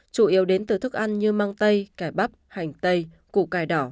chủ yếu đến từ thức ăn như măng tây cải bắp hành tây củ cải đỏ